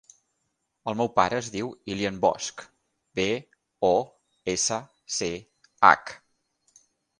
El meu pare es diu Ilyan Bosch: be, o, essa, ce, hac.